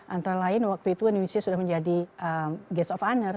antara lain waktu itu indonesia sudah menjadi gas of honor